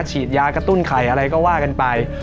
ฉีดยากระตุ้นไข่อะไรก็ว่ากันไป